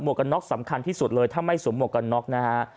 มวกน๊อกสำคัญที่สุดเลยถ้าไม่สมมวกน๊อกนะฮะ